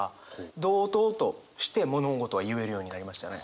同等として物事を言えるようになりましたね。